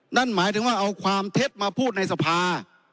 นั่นหมายถึงว่าเอาความเท็จมาพูดในสภา